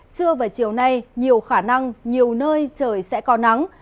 trưa và chiều nay nhiều khả năng nhiều nơi trời sẽ có nắng